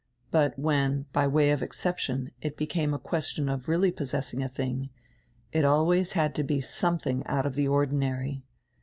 But when, by way of exception, it became a question of really possessing a tiling, it always had to be something out of the ordinary.